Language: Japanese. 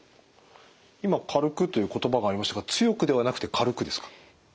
今「軽く」という言葉がありましたが「強く」ではなくて「軽く」ですか？